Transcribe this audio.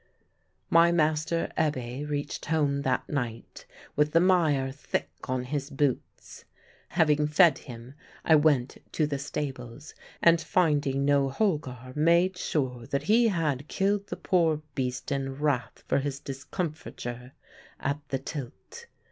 My master Ebbe reached home that night with the mire thick on his boots. Having fed him, I went to the stables, and finding no Holgar made sure that he had killed the poor beast in wrath for his discomforture at the tilt.